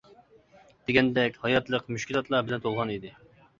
دېگەندەك ھاياتلىق مۈشكۈلاتلار بىلەن تولغان ئىدى.